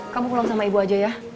kamu pulang sama ibu aja ya